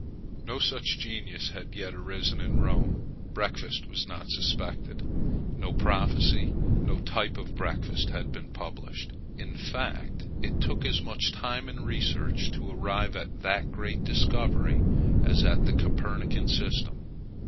No such genius had yet arisen in Rome. Breakfast was not suspected. No prophecy, no type of breakfast had been published. In fact, it took as much time and research to arrive at that great discovery as at the Copernican system.